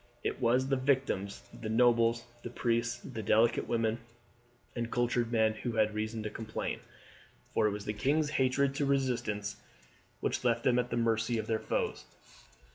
It was the victims the nobles, the priests, the delicate women and cultured men who had reason to complain; for it was the king's hatred to resistance which left them at the mercy of their foes.